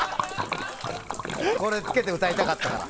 これつけて歌いたかったから。